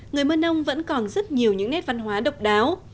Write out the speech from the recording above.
người mơ nông vẫn còn rất nhiều những nét văn hóa độc đáo